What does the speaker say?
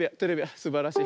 すばらしい。